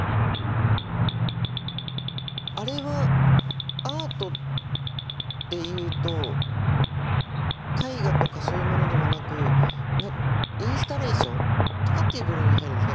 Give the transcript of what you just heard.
あれはアートっていうと絵画とかそういうものでもなくインスタレーションとかっていう部類に入るんですか？